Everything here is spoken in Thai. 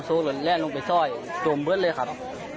สู้แหละลงไปซ่อยจมเบื้อดเลยครับ